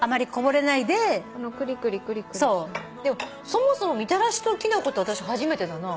そもそもみたらしときな粉って私初めてだな。